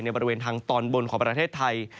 บริเวณทางตอนบนของประเทศไทย